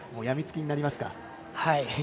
やみつきになりますか。